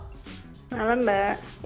selamat malam mbak